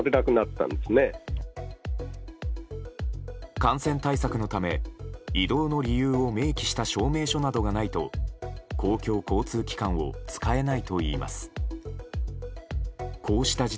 感染対策のため、移動の理由を明記した証明書などがないと公共交通機関を使えないといいます。